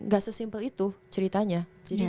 gak sesimpel itu ceritanya jadi